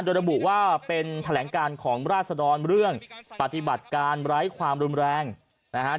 โดยระบุว่าเป็นแถลงการของราศดรเรื่องปฏิบัติการไร้ความรุนแรงนะฮะ